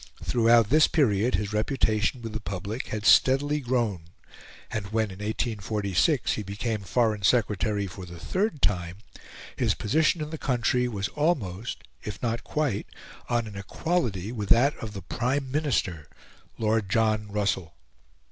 Throughout this period his reputation with the public had steadily grown, and when, in 1846, he became Foreign Secretary for the third time, his position in the country was almost, if not quite, on an equality with that of the Prime Minister, Lord John Russell.